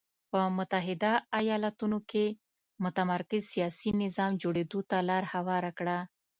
په متحده ایالتونو کې متمرکز سیاسي نظام جوړېدو ته لار هواره کړه.